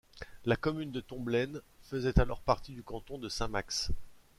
La commune de Tomblaine faisait alors partie du canton de Saint-Max.